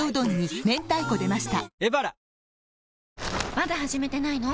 まだ始めてないの？